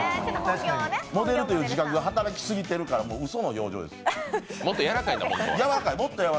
モデルという自覚が働きすぎてるからうその表情です。